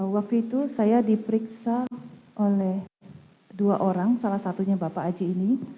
waktu itu saya diperiksa oleh dua orang salah satunya bapak aji ini